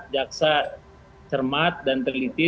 jaksa cermat dan teliti